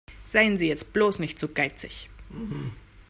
Seien Sie jetzt bloß nicht zu geizig.